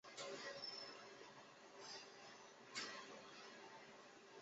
掌叶花烛为天南星科花烛属下的一个种。